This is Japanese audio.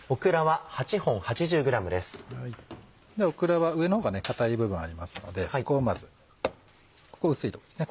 ではオクラは上の方が硬い部分ありますのでそこをまずここ薄いとこですね。